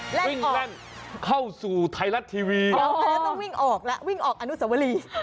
วิ่งแล่นเข้าสู่ไทยรัฐทีวีต้องวิ่งออกแล้ววิ่งออกอนุสวรี